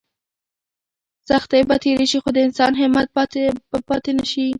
سختۍ به تېرې شي خو د انسان همت باید پاتې شي.